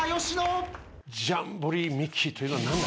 『ジャンボリミッキー！』というのは何だ？